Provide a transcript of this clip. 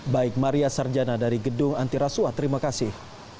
baik maria sarjana dari gedung antiraswa terima kasih